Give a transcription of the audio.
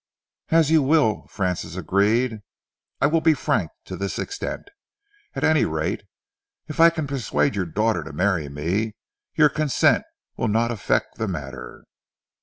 "As you will," Francis agreed. "I will be frank to this extent, at any rate. If I can persuade your daughter to marry me, your consent will not affect the matter."